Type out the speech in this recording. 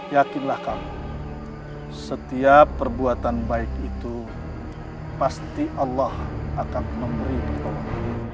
yakinlah kamu setiap perbuatan baik itu pasti allah akan memberi pertolongan